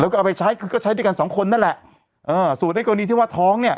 แล้วก็เอาไปใช้คือก็ใช้ด้วยกันสองคนนั่นแหละเอ่อส่วนในกรณีที่ว่าท้องเนี่ย